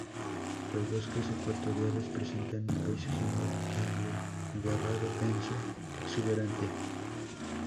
Los bosques ecuatoriales presentan un paisaje muy abigarrado, denso, exuberante.